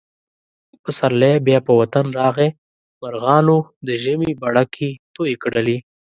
پسرلی بیا په وطن راغی. مرغانو د ژمي بڼکې تویې کړلې.